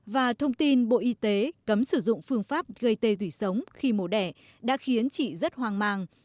và thông tin bộ y tế cấm sử dụng phương pháp gây tê thủy sống khi mổ đẻ đã khiến chị rất hoang mang